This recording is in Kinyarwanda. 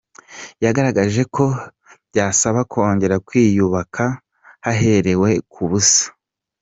Yagaragageje ko byasaba kongera kwiyubaka haherewe ku busa.